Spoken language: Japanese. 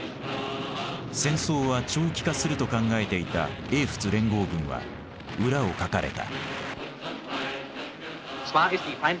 戦争は長期化すると考えていた英仏連合軍は裏をかかれた。